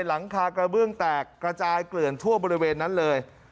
หลังคากระเบื้องแตกกระจายเกลื่อนทั่วบริเวณนั้นเลย